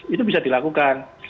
itu bisa dilakukan